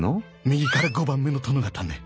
右から５番目の殿方ね。